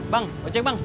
bang ojek bang